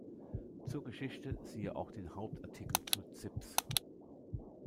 Zur Geschichte siehe auch den Hauptartikel zur Zips.